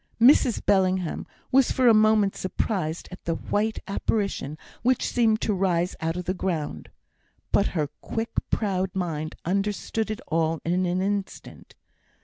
Mrs Bellingham was for a moment surprised at the white apparition which seemed to rise out of the ground. But her quick, proud mind understood it all in an instant.